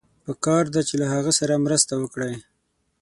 پکار ده چې له هغه سره مرسته وکړئ.